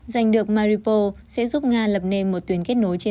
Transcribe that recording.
danh được maripos sẽ giúp nga lập nên một tuyến kết nối truyền thông